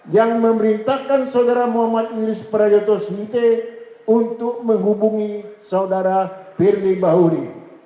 yang memerintahkan saudara muhammad iblis prajoto smiti untuk menghubungi saudara perni bahuri